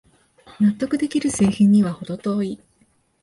納得できる製品にはほど遠い